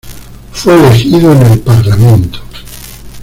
Fue elegido en el parlamento.